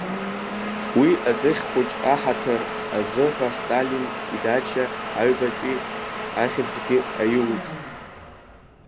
Уи аӡыхь хәыҷ аҳаҭыр азы ҳәа Сталин идача аҩбатәи ахьыӡгьы аиуит.